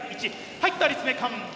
はいった立命館！